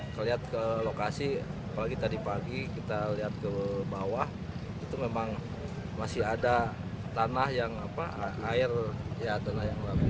melihat ke lokasi apalagi tadi pagi kita lihat ke bawah itu memang masih ada tanah yang air ya tanah yang bagus